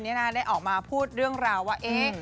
นี่นะคะได้ออกมาพูดเรื่องราวว่าเอ๊ะ